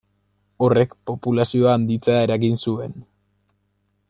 Horrek populazioa handitzea eragin zuen.